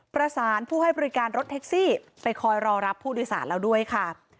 ประสานผู้ให้บริการรถแท็กซี่ไปคอยรอรับผู้โดยสารแล้วด้วยค่ะ